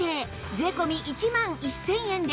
税込１万１０００円です